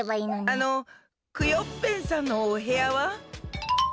あのクヨッペンさんのおへやは？